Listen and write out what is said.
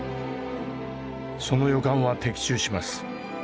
その予感は的中します。